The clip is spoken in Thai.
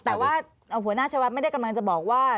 แต่ว่าหัวหน้าชวัดไม่ได้กำลังจะบอกว่า